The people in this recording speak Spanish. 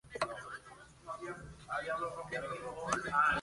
Sin embargo la mayor parte de las tierras son de cultivo.